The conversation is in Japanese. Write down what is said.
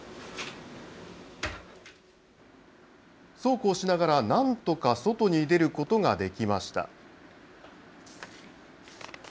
そうこうしながらなんとか外に出ることができました。